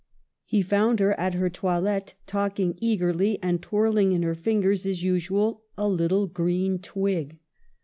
He found her at her toilette, talking eagerly, and twirling in her fingers, as usual, a little green twig.